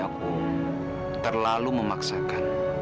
aku terlalu memaksakan